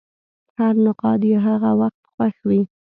هر نقاد یې هغه وخت خوښ وي.